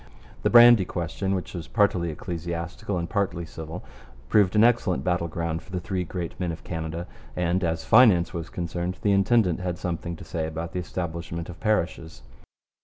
The brandy question, which was partly ecclesiastical and partly civil, proved an excellent battle ground for the three great men of Canada; and, as finance was concerned, the intendant had something to say about the establishment of parishes.